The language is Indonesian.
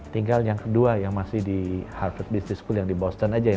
tinggal yang kedua yang masih di harvard business school yang di boston aja